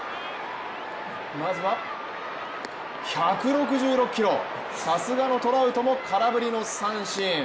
まずは１６６キロ、さすがのトラウトも空振りの三振。